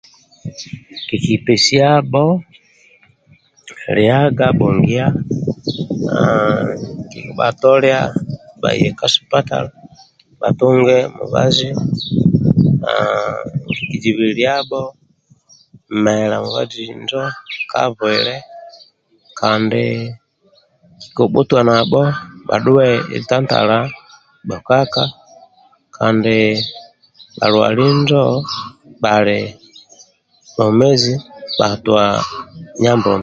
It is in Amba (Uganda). Kikipesiabho liaga bhongia mmm bhatolia bhaye ka sipatala bhatubge mibazi mmm zibililiabho mela mibazi injo ka bwile kandi kibhutoliabho bhadhuwe tantala bhokaka bhalwali injo bhali bwomezi bhatua Mambombi